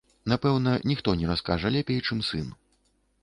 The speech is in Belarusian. Напэўна, ніхто не раскажа найлепей, чым сын.